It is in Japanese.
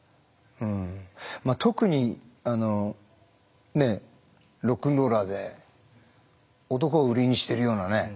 特にロックンローラーで男を売りにしてるようなね